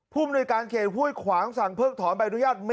ผู้บนรายการเขยินหุ้ยขวางสั่งเพิกถอนใบอนุญาต